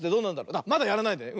あっまだやらないで！